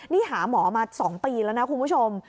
นี่หาหมอมา๒ปีแล้วนะคุณผู้ชม